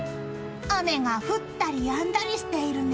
雨が降ったりやんだりしているね。